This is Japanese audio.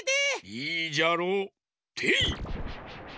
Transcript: いいじゃろう。てい！